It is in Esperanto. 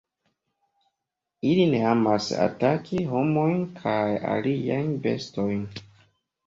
Ili ne emas ataki homojn kaj aliajn bestojn.